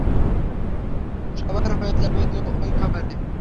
সবার হয়ে যাবে তো ঐ খাবারে?